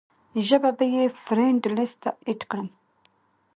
زۀ به ئې فرېنډ لسټ ته اېډ کړم -